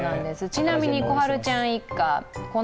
ちなみに心陽ちゃん一家